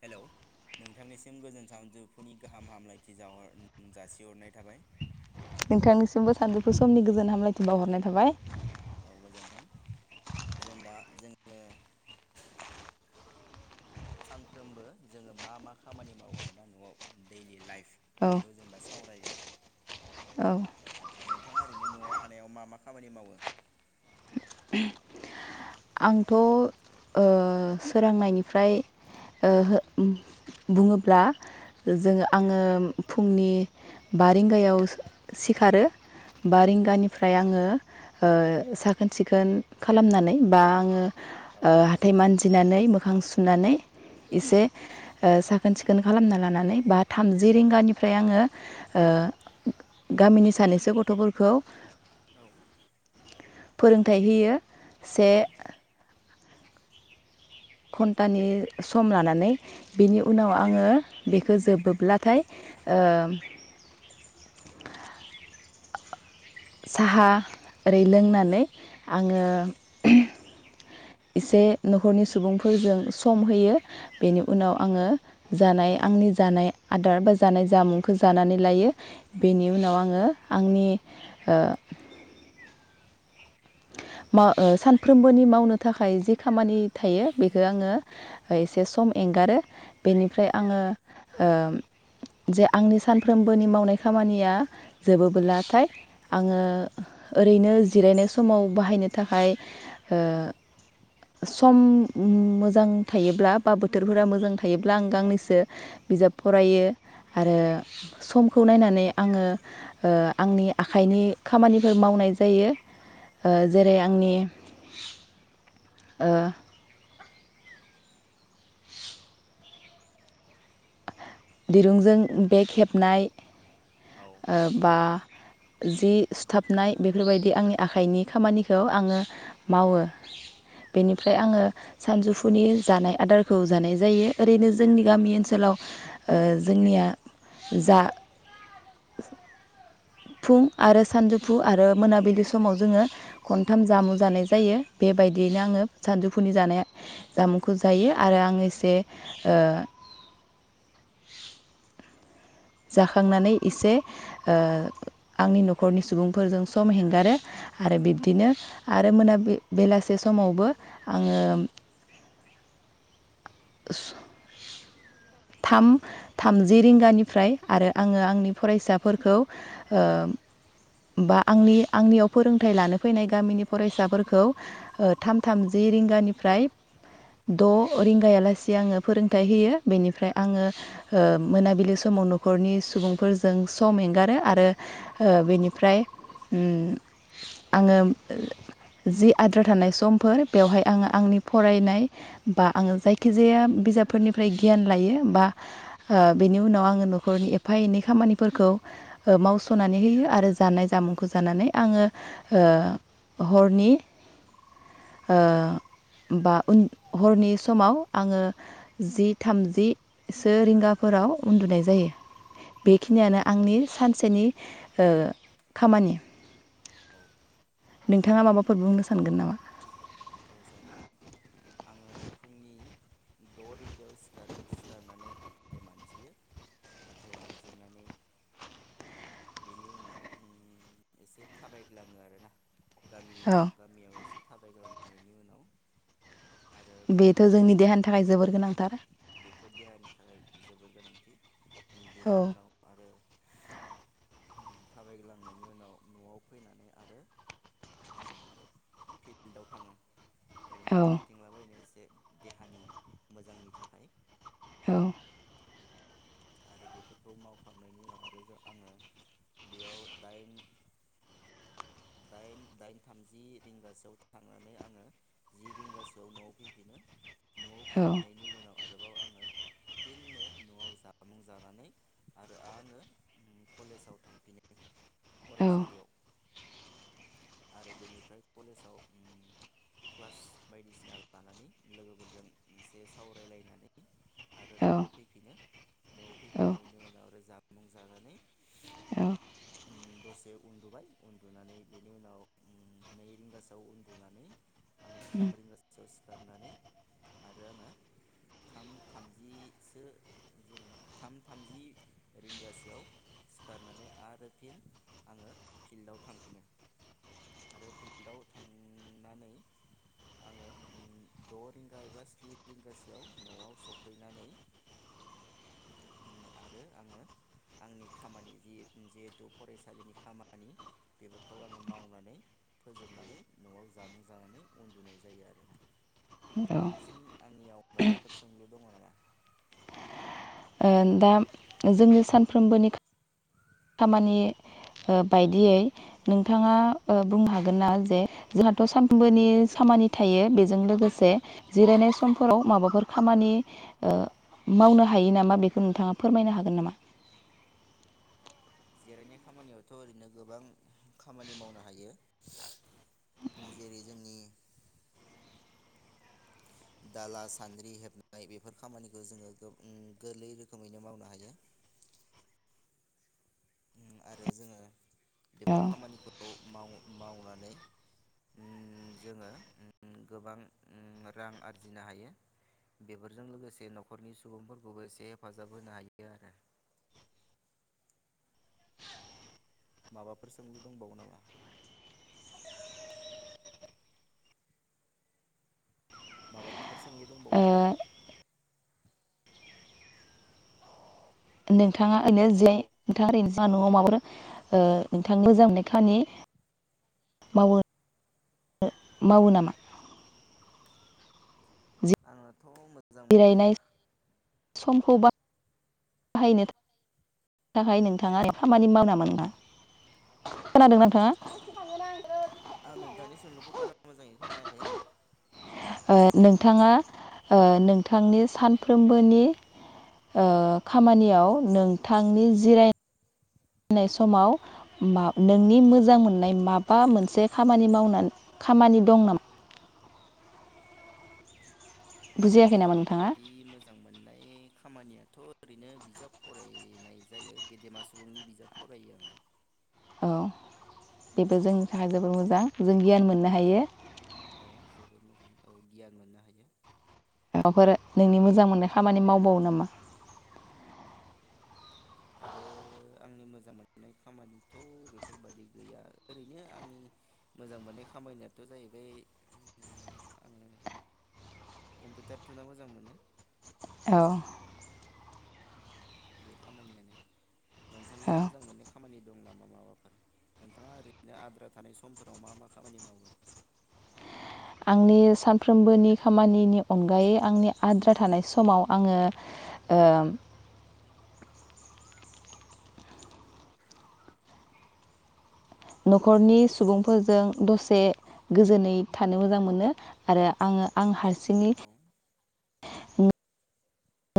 Hello नोंथांनिसिम गोजोन सावान जुफुनि गाहाम हामलायथि जावहर-जासिहरनाय थाबाय [inaudible] नोंथांनिसिमबो सानजौफु समनि गोजोन हामलायथि बावहरनाय थाबाय। औ गोजोन्थों जों दा जोङो [inaudible] सानफ्रोमबो जोङो मा मा खामानि मावो आरोना न'आव दैलि लाइफ औ बेखौ जों दा सावरायगोन औ नोंथाङा ओरैनो न'आव थानायाव मा मा खामानि मावो? [inaudible] आंथ' ओ सोरांनायनिफ्राय बुङोब्ला जोङो-आङो फुंनि बा रिंगायाव सिखारो बा रिंगानिफ्राय आङो साखोन सिखोन खालामनानै बा ओ औ ओ नंगौ हाथाय मानजिनानै मो सुनानै एसे ओ साखोन सिखोन खालामना लानानै बा थामजि रिंगानिफ्राय आङो ओ गामिनि सानैसो गथ'फोरखौ औ फोरोंथाइ होयो से औ घन्टानि सम लानानै बेनि औ उनाव आङो बेखो जोबोब्लाथाय ओ साहा ओरै लोंनानै आङो [unintelligible] एसे न'खरनि सुबुंफोरजों सम होयो बेनि उनाव आङो जानाय आंनि जानाय आदार बा जानाय जामुंखौ जानानै लायो बेनि उनाव आङो आंनि ओ मा ओ सानफ्रोमबोनि मावनो थाखाय जि खामानि थायो बेखो आङो औ एसे सम एंगारो बेनिफ्राय आङो ओ जे आंनि सानफ्रोमबोनि मावनाय खामानिया जोबोबोलाथाय आङो ओरैनो जिरायनाय स समाव बाहायनो थाखाय ओ सम मोजां थायोब्ला बा बोथोरफोरा मोजां थायोब्ला आं गांनैसो बिजाब फरायो आरो समखौ नायनानै आङो आंनि ओ आखाइनि खामानिफोर मावनाय जायो ओ जेरै आंनि ओ दिरुंजों बेग हेबनाय औ ओ बा जि नंगौ सुथाबनाय बेफोरबायदि आंनि आखाइनि खामानिखौ आङो मावो बेनिफ्राय आङो सानजौफुनि जानाय आदारखौ जानाय जायो ओरैनो जोंनि गामि ओनसोलाव ओ जोंनिया जा फुं आरो सानजौफु आरो मोनाबिलि समाव जोङो खनथाम जामुं जानाय जायो औ बेबायदियैनो आङो सानजु फुनि जानाय जामुंखौ जायो आरो आं एसे ओ जाखांनानै एसे ओ आंनि न'खरनि सुबुंफोरजों सम हेंगारो आरो बिब्दिनो आरो मोनाबि बेलासे समावबो आङो स थाम थामजि रिंगानिफ्राय आरो आङो आंनि फरायसाफोरखौ ओ बा आंनि आंनियाव फोरोंथाइ लानो फैनाय गामिनि फरायसाफोरखौ ओ थाम थामजि रिंगानिफ्राय द' रिंगाया लागे से आङो फोरोंथाइ होयो बेनिफ्राय आङो मोनाबिलि समाव न'खरनि सुबुंफोरजों सम एंगारो आरो बेनिफ्राय उम आङो जि आद्रा थानाय समफोर बेवहाय आङो आंनि फरायनाय बा आङो जायखि खिजाया बिजाबफोरनिफ्राय गियान लायो बा ओ बेनि उनाव आङो न'खरनि एफा एनै खामानिफोरखौ ओ मावस'नानै होयो आरो जानाय जामुंखौ जानानै आङो ओ हरनि बा उन हरनि समाव आङो जि थामजिसो रिंगाफोराव उन्दुनाय जायो औ बेखिनियानो नंगौ आंनि सानसेनि ओ खामानि औ नोंथाङा माबाफोर बुंनो सानगोन नामा औ सांगोन आङो फुंनि द' रिंगायाव सिखारो सिखारनानै हाथथाय मानजियो हाथाय मानजिनानै बेनि उनाव उम एसे थाबायग्लाङो आरोना गामियाव औ गामियाव एसे थाबायग्लां बिनि उनाव आरो बेथ' फिल्डफोराव जोंनि देहानि थाखाय थांनानै जोबोर गोनांथार बेफोर देहानि थाखाय जोबोद थि औ थाबायग्लांनायनि उनाव न'आव फैनानै आरो मा होनो बेखौ फिल्डआव थाङो औ ओरैनो खाारथिंलाबायनो एसे देहानि मोजांनि थाखाय औ आरो बेफोरखौ मावखांनायनि उनाव आरो आङो बेयाव दाइन दाइन दाइन थामजि रिंगासोआव थांनानै आङो जि रिंगासोआव न'आव फैफिनो। न'आव फैफिननायनि उनाव आरोबाव आं आङो फिननो न'आव जामुं जानानै आरो आङो कलेजाव थांफिनो। औ फरायसालियाव आरो बेनिफ्राय कलेजाव उम क्लास बायदिसिना लानानै लोगोफोरजों एसे सावरायलायनानै आरो औ न'आव फैफिनो। न'आव औ फैफिननायनि उनाव आरो जामुं जानानै उम दसे उन्दुबाय उन दुनानै बेनि उनाव नै रिंगासोआव उन्दुनानै उम खारनानै आरो आङो थाम थामजिसो जाबा थाम थामजि रिंगासोआव सिखारनानै आरो फिन आङो फिल्डाव थांफिनो आरो फिल्डाव थांनानै आङो उम द' रिंगा एबा स्नि रिंगासोआव न'आव सफैनानै उम आरो आङो आंनि खामानि जि-जिहेथु फरायसालिनि खामानि बेफोरखौ आङो मावनानै फोजोबनानै न'आव जामुं जानानै उन्दुनाय जायो आरो औ आंनियाव माबाफोर सोंलु दङ' नामा? ओं दा जोङो सानफ्रोमबोनि खामानि ओ बायदियै नोंथाङा ओ बुंनो हागोन ना? जे जोंहाथ' सानबोनि खामानि थायो बेजों लोगोसे जिरायनाय समफोराव माबाफोर औ खामानि ओ मावनो हायो नामा? बेखौ नोंथाङा फोरमायनो हागोन नामा? जिरायनाय खामानियावथ' ओरैनो गोबां खामानि मावनो हायो। जेरै जोंनि दाला सान्द्रि हेबनाय बेफोर खामानिखो जोङो गोब उम गोरलै रोखोमैनो मावनो हायो। उम आरो जोङो औ बेफोर खामानिखौ माव मावना नै उम जोङो उम गोबां उम रां आरजिनो हायो। बेफोरजों लोगोसे न'खरनि सुबुंफोरखौबो एसे हेफाजाब होनो हायो आरो माबाफोर सोंलु दंबावो नामा? माबाफोर सोंलु ओ दंबावो नामा? नोंथाङा ओरैनो जे नोंथाङा [unintelligible] न'आव माबाफोर ओ नोंथाङा मोजां मोननाय खानि मावो ओ मावो नामा? आङो थ' मोजां मोननाय जिरायनाय खा समखौ बा बाहायनो थाखाय नोंथाङा [unintelligible] खोनादों ना नोंथाङा? आं नोंथांनि सोंलुखौ बारा मोजाङै खोनायाखै। ओ नोंथाङा ओ नोंथांनि सानफ्रोमबोनि ओ खामानियाव नोंथांनि जिराय नाय समाव मा नोंनि मोजां मोननाय माबा मोनसे खामानि मावनानै खामानि दं नामा? बुजियाखै आंनिथ' नामा नोंथाङा बेफोरबायदि मोजां मोननाय खामानिया थ' ओरैनो बिजाब फरायनाय जायो गेदेमा सुबुंनि बिजाब फरायो आङो। औ बेबो जोंनि थाखाय जोबोर मोजां जों गियान मोननो हायो। औ जोबोद मोजां औ गियान मोननो हायो। माबाफोर नोंनि मोजां मोननाय खामानि मावबावो नामा? आरो आंनि मोजां मोननाय खामानिथ' बेफोरबायदि गैया। ओरैनो आंनि मोजां मोननाय खामानियाथ' जाहैबाय उम उम आङो कम्पिटार थुना मोजां मोनो। औ। बे खामानियानो नोंथांनि औ मोजां मोननाय खामानि दं नामा माबाफोर नोंथाङा ओरैनो आद्रा थानाय समफोराव मा मा खामानि मावो? आंनि सानफ्रोमबोनि खामानिनि अनगायै आंनि आद्रा थानाय समाव आङो ओ न'खरनि सुबुंफोरजों दसे गोजोनै थानो मोजां मोनो आरो आङो आं हारसिङै औ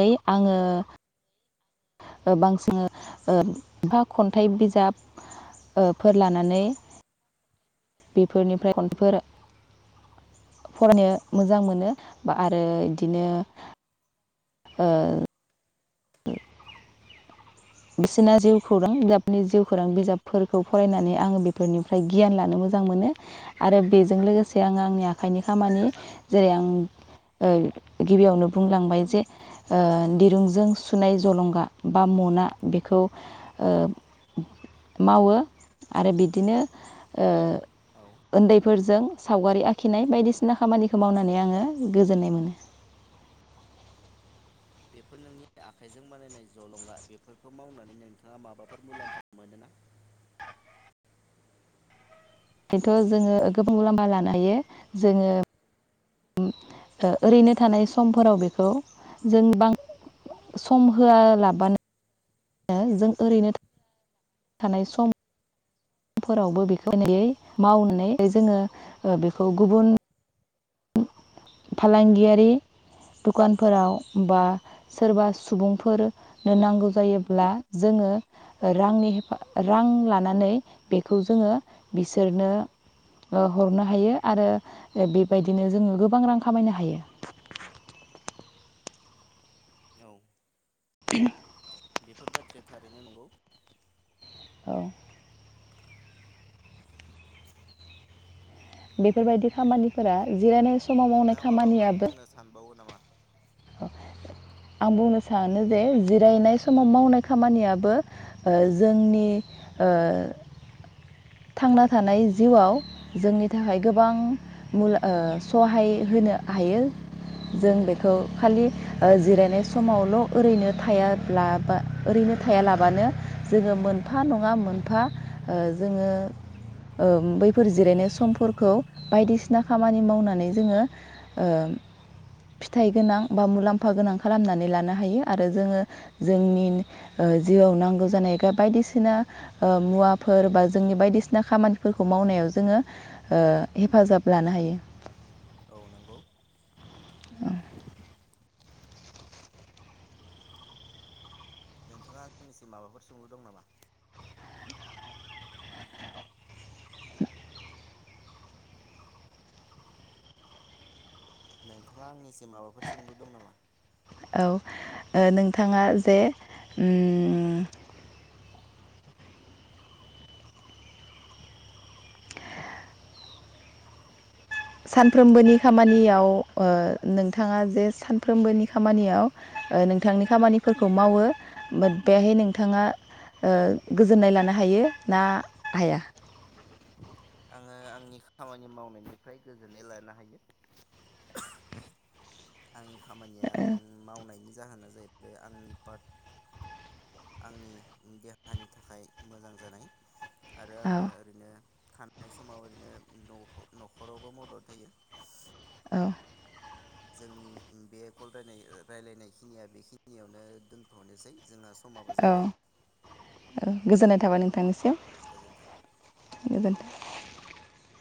ङै आङो बांसिङो ओ फा खन्थाइ ओ बिजाबफोर लानानै बेफोरनिफ्राय खनफोर फरायनो मोजां मोनो बा आरो इदिनो ओ ओ बिसिना जिउ खौरां बिजाबनि जिउ खौरां बिजाबफोरखौ फरायनानै आङो बेफोरनिफ्राय गियान लानो मोजां मोनो आरो बेजों लोगोसे आङो आंनि आखाइनि खामानि जेरै आं ओ गिबियावनो बुंलांबाय जे ओ दिरुंजों सुनाय जलंगा बा मना। बेखौ ओ मावो आरो बिदिनो ओ औ ओन्दैफोरजों सावगारि आखिनाय बायदिसिना खामानिखौ मावनानै आङो गोजोननाय मोनो। बेफोर नोंनि आखाइजों बानायनाय जलंगा बेफोरखौ मावनानै नोंथाङा माबाफोर मुलाम्फा मोनोना? एजोंथ जोङो गोबां मुलाम्फा लानो हायो जोङो उम ओ ओरैनो थानाय समफोराव बेखौ जों बां सम होआलाबानो जों ओरैनो थानाय सम फोरावबो बेखौ नै मावनानै जोङो बेखौ गुबुन फालांगियारि दुकानफोराव बा सोरबा सुबुंफोर नो नांगौ जायोब्ला जोङो रांनि हेफा रां लानानै बेखौ जोङो बिसोरनो ओ हरनो हायो आरो बेबायदिनो जोङो गोबां रां खामायनो हायो। औ [unintelligible] बेफोर बाथ्राया थारैनो नंगौ। औ बेफोरबायदि खामानिफोरा जिरायनाय समाव मावनाय नोंथाङा माबाफोर खामानियाबो बुंनो सानबावो नामा आं बुंनो सानो जे जिरायनाय समाव मावनाय खामानियाबो ओ जोंनि ओ थांना थानाय जिउआव जोंनि थाखाय गोबां मुल ओ सहाय होनो हायो जों बेखौ खालि ओ जिरायनाय समावल' ओरैनो थायालाबा ओरैनो थायालाबानो जोङो मोनफा नङा मोनफा ओ जोङो ओ बैफोर जिरायनाय समफोरखौ बायदिसिना खामानि मावनानै जोङो ओ फिथाइ गोनां बा मुलाम्फा गोनां खालामनानै लानो हायो आरो जोङो जोंनि ओ जिउआव नांगौ जानाय बायदिसिना मुवाफोर बा जोंनि बायदि सिना खामानिफोरखौ मावनायाव जोङो ओ हेफाजाब लानो हायो। औ नोंगौ। नोंथाङा आंनिसिम माबाफोर सोंलु दं नामा? नोंथांंङा आंनिस माबाफोर सोंलु दं नामा? ओ नोंथाङा जे उम सानफ्रोमबोनि खामानियाव ओ नोंथाङा जे सानफ्रोमबोनि खामानियाव ओ नोंथांनि खामानिफोरखौ मावो बेहाय नोंथाङा ओ गोजोननाय लानो हायो ना हाया? आङो आंनि खामानि मावनायनिफ्राय गोजोननाय लानो हायो। आंनि खामानिया उम मावनायनि जाहोना जाहैबाय आंनि पार्ट आंनि देहानि थाखाय मोजां जानाय आरो औ आङो ओरैनो थानाय समाव ओरैनो नफ न'खरावबो मदद होयो। बा जोंनि बे कल रायनाय रायलायनाय खिनिया बेखिनियावनो दोनथ'नोसै। जोंहा समाबो औ जाबाय ओ गोजोननाय थाबाय नोंथनिसिम गोजोन्थों। गोजोनथों।